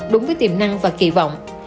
đúng với tiềm năng và kỳ vọng